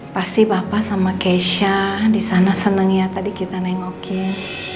pasti bapak sama keisha di sana senang ya tadi kita nengokin